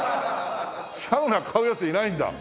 サウナ買うヤツいないんだ？